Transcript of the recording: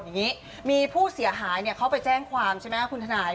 อย่างนี้มีผู้เสียหายเขาไปแจ้งความใช่ไหมคุณทนาย